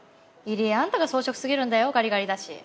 入江あんたが草食すぎるんだよガリガリだし。